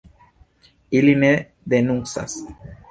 Ili ne denuncas.